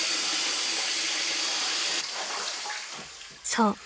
［そう。